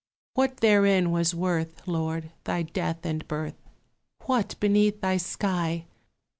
What therein was worth, Lord, thy death and birth? What beneath thy sky?